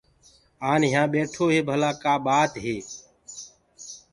آن يهآ بيٺو هي ڀلآ ڪآ ٻآت هي۔